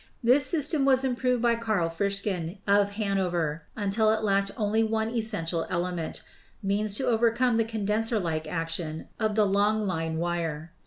This system was improved by Carl Frischen, of Hanover, until it lacked only one essential element — means to overcome the condenser like action of the long line wire.